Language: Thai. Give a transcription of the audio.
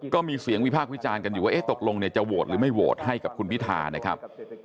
ก็มีเสียงวิพากษ์วิจารณ์กันอยู่ว่าตกลงเนี่ยจะโหวตหรือไม่โหวตให้กับคุณพิธานะครับ